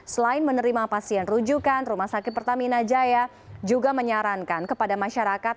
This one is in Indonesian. selain menerima pasien rujukan rumah sakit pertamina jaya juga menyarankan kepada masyarakat